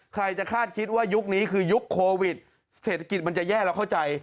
ใครจะคาดคิดว่ายุคนี้คือยุคโควิดเศรษฐกิจมันจะแย่เราเข้าใจ